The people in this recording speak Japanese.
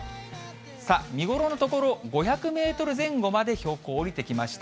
さあ、見頃の所、５００メートル前後まで標高、降りてきました。